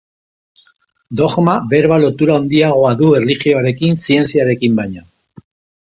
Dogma berba lotura handiagoa du erlijioarekin zientziarekin baino.